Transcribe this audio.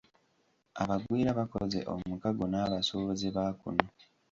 Abagwira bakoze omukago n'abasuubuzi ba kuno.